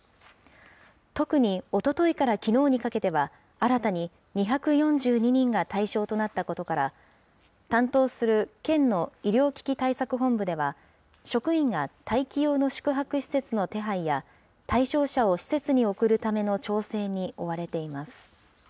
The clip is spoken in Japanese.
特に、おとといからきのうにかけては、新たに２４２人が対象となったことから、担当する県の医療危機対策本部では、職員が待機用の宿泊施設の手配や、対象者を施設に送るための調整に追われています。